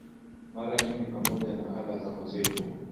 mara nyingi pamoja na ala za muziki